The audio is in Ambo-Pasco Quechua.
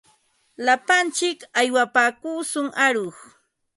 Lapantsik aywapaakushun aruq.